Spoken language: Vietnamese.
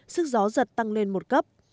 sức gió giật tăng lên một cấp